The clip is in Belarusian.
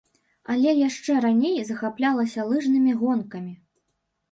Але яшчэ раней захаплялася лыжнымі гонкамі.